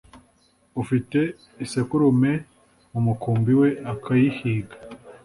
ufite isekurume mu mukumbi we akayihiga